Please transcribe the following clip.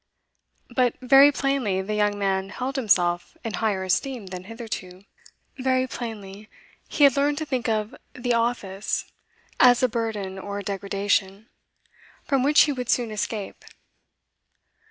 But very plainly the young man held himself in higher esteem than hitherto; very plainly he had learnt to think of 'the office' as a burden or degradation, from which he would soon escape.